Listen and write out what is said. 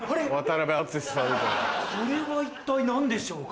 これは一体何でしょうか？